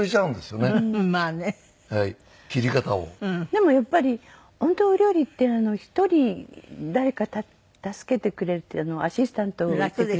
でもやっぱり本当お料理っていうのを１人誰か助けてくれるっていうのはアシスタントいてくれる。